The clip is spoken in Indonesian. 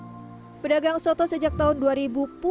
serta potongan kentang tomat irisan daun bawang goreng dan emping